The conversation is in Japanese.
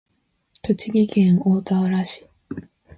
栃木県大田原市